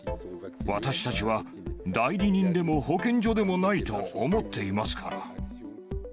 私たちは代理人でも保健所でもないと思っていますから。